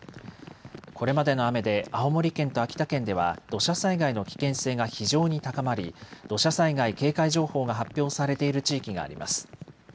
これまでの雨で青森県と秋田県では土砂災害の危険性が非常に高まり土砂災害警戒情報が発表されている地域があります。